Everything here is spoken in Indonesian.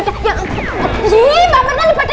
ih mbak mir lu lepet aja